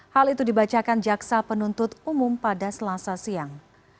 hal itu dibacakan jaksa penuntut umum pada selasa siang